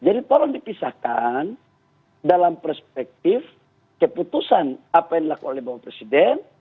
jadi tolong dipisahkan dalam perspektif keputusan apa yang dilakukan oleh bapak presiden